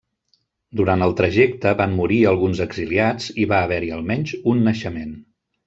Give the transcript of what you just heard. Durant el trajecte van morir alguns exiliats i va haver-hi, almenys, un naixement.